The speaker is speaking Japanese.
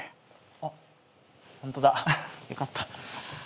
あっホントだ。よかった。